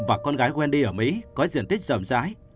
và con gái wendy ở mỹ có diện tích rộng rãi